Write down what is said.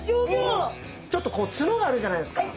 ちょっとここ角があるじゃないですか。